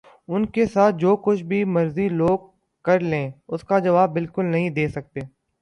ان کے ساتھ جو کچھ مرضی لوگ کر لیں اس کے جواب بالکل نہیں دے سکتے